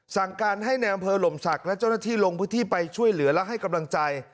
สั่งการให้ในอำเภอหลมศักดิ์และเจ้าหน้าที่ลงพื้นที่ไปช่วยเหลือและให้กำลังใจ